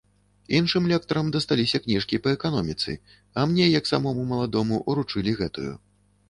Іншым лектарам дасталіся кніжкі па эканоміцы, а мне, як самому маладому, уручылі гэтую.